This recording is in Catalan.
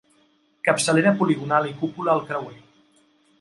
Capçalera poligonal i cúpula al creuer.